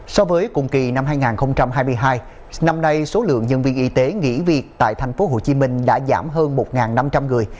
so với cùng kỳ năm hai nghìn hai mươi hai năm nay số lượng nhân viên y tế nghỉ việc tại tp hcm đã giảm hơn một năm trăm linh người